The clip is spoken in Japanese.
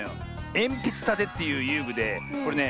「えんぴつたて」っていうゆうぐでこれね